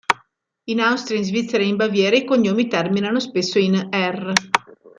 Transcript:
In Austria, in Svizzera ed in Baviera i cognomi terminano spesso in -er.